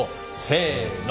せの。